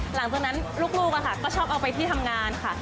หลังจากนั้นลูกก็ชอบเอาไปที่ทำงานค่ะ